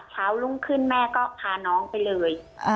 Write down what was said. รุ่งขึ้นแม่ก็พาน้องไปเลย